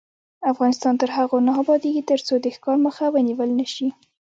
افغانستان تر هغو نه ابادیږي، ترڅو د ښکار مخه ونیول نشي.